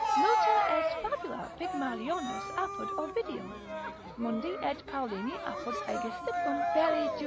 Nota est fabula Pigmalionis apud Ovidium; Mundi et Paulini apud Aegesippum belli Jud.